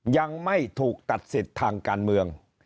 ยังไม่ถูกตัดสิทธิ์ทางการเมือง